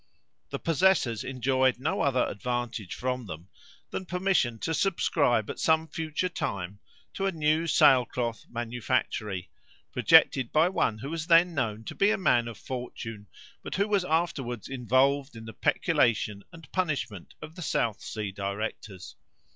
The possessors enjoyed no other advantage from them than permission to subscribe at some future time to a new sail cloth manufactory, projected by one who was then known to be a man of fortune, but who was afterwards involved in the peculation and punishment of the South Sea directors.